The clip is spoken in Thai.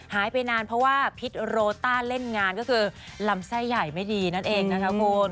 หายไปนานเพราะว่าพิษโรต้าเล่นงานก็คือลำไส้ใหญ่ไม่ดีนั่นเองนะคะคุณ